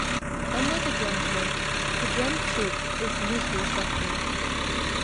Unlike a drum corps, the drum troop is loosely structured.